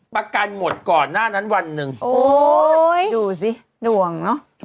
ประกันหมดก่อนหน้านั้นวันหนึ่งโอ้ยดูสิดวงเนอะ